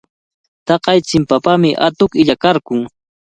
Taqay chimpapami atuq illakarqun.